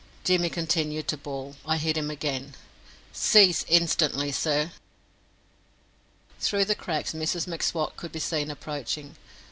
Jimmy continued to bawl. I hit him again. "Cease instantly, sir." Through the cracks Mrs M'Swat could be seen approaching.